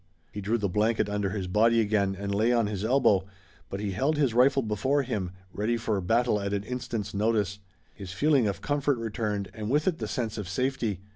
He drew the blanket under his body again and lay on his elbow, but he held his rifle before him, ready for battle at an instant's notice. His feeling of comfort returned and with it the sense of safety.